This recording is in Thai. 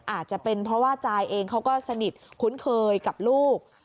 อาจจะเป็นเพราะว่าจายเองเขาก็สนิทคุ้นเคยกับลูก